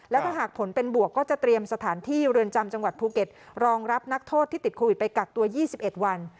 แล้วถ้าหากผลเป็นบวกก็จะเตรียมสถานที่เรือนจำจังหวัดภูเก็ตรองรับนักโทษที่ติดโควิดไปกักตัว๒๑วัน